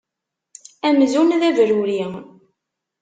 Amzun d abrurri.